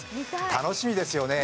楽しみですよね